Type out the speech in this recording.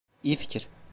İyi fikir.